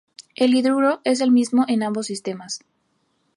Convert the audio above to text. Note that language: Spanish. El hidruro es el mismo en ambos sistemas.